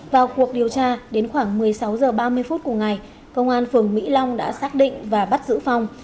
vào cuộc điều tra đến khoảng một mươi sáu h ba mươi phút cùng ngày công an phường mỹ long đã xác định và bắt giữ phòng